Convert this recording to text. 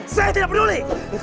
saya tidak peduli